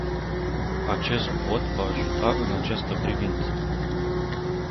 Acest vot va ajuta în această privință.